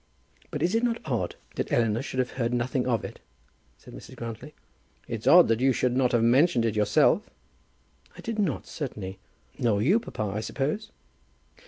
"But is it not odd that Eleanor should have heard nothing of it?" said Mrs. Grantly. "It's odd that you should not have mentioned it yourself." "I did not, certainly; nor you, papa, I suppose?"